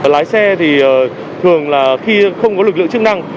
lái xe thì thường là khi không có lực lượng chức năng